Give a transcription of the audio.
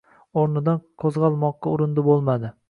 O‘rnidan qo‘zg‘almoqqa urindi bo‘lmadi.